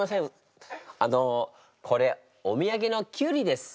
あのこれお土産のきゅうりです。